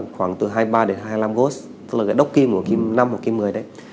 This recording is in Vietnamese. khoảng từ hai mươi ba đến hai mươi năm gốt tức là cái đốc kim của kim năm và kim một mươi đấy